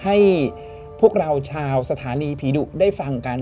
ให้พวกเราชาวสถานีผีดุได้ฟังกัน